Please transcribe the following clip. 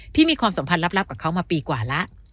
มีความสัมพันธ์ลับกับเขามาปีกว่าแล้ว